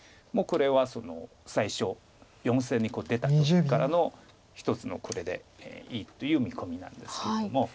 もうこれは最初４線に出た時からの一つのこれでいいという見込みなんですけれども。